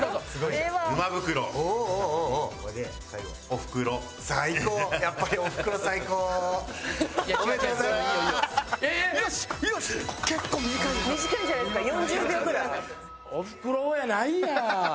「お袋」やないやん。